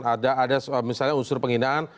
ada usur penghinaan